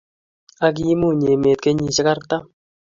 Ak kiimuny emet kenyiisyek artam.